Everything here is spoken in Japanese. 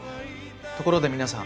ところで皆さん。